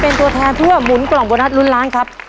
ครอบครัวของแม่ปุ้ยจังหวัดสะแก้วนะครับ